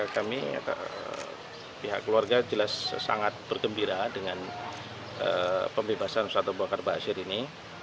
kami pihak keluarga jelas sangat bergembira dengan pembebasan ustadz abu bakar basir ini